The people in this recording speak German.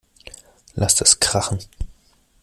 Lasst es krachen!